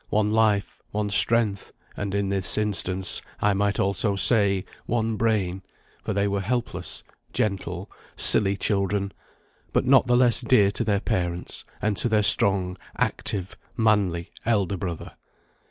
One life, one strength, and in this instance, I might almost say, one brain; for they were helpless, gentle, silly children, but not the less dear to their parents and to their strong, active, manly, elder brother.